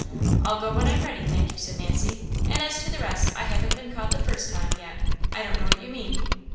"I'll go when I'm ready, thank you," said Nancy; "and as to the rest, I haven't been caught the first time, yet; I don't know what you mean."